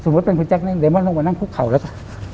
สมมติเป็นคุณแจ็คนี่เดมอนต้องมานั่งพุกเข่าแล้วก็